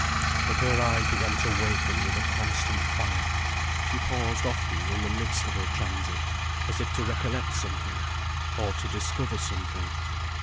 But her eyes began to waken with a constant fire, she paused often in the midst of her transit, as if to recollect something, or to discover something.